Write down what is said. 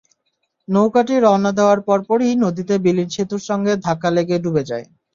নৌকাটি রওনা দেওয়ার পরপরই নদীতে বিলীন সেতুর সঙ্গে ধাক্কা লেগে ডুবে যায়।